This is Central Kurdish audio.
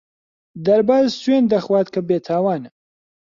دەرباز سوێند دەخوات کە بێتاوانە.